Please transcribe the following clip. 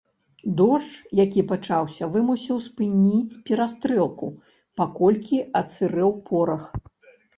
Дождж, які пачаўся вымусіў спыніць перастрэлку, паколькі адсырэў порах.